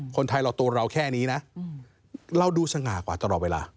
คนไทยเราตัวเราแค่นี้นะเราดูสง่ากว่าตลอดเวลา